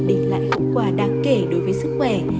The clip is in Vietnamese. để lại hậu quả đáng kể đối với sức khỏe